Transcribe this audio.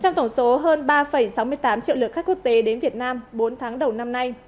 trong tổng số hơn ba sáu mươi tám triệu lượt khách quốc tế đến việt nam bốn tháng đầu năm nay